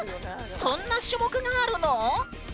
そんな種目があるの？